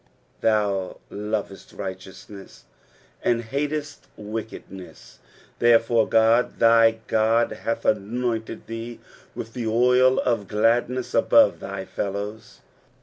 7 Thou lovest righteousness, and hatest wickedness : therefore God, thy God, hath anointed thee with the oil of gladness above thy fellows.